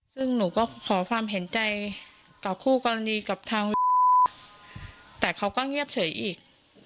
ซึ่งหนูก็ขอความเห็นใจต่อคู่กรณีกับทางแต่เขาก็เงียบเฉยอีก